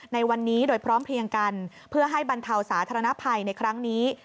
ในวันนี้โดยพร้อมเพลียงกันเพื่อให้บรรเทาสาธารณภัยในครั้งนี้